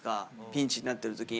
ピンチになってるとき。